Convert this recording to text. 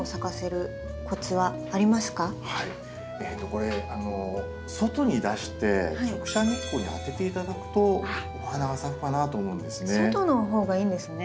これ外に出して直射日光に当てて頂くとお花が咲くかなと思うんですね。